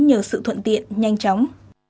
nhiều sự thuận tiện nhanh chóng